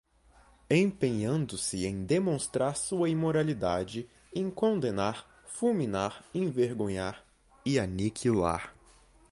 empenhando-se em demonstrar sua imoralidade, em condenar, fulminar, envergonhar... e aniquilar